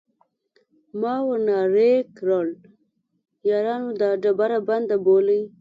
ما ور نارې کړل: یارانو دا ډبره بنده بولئ.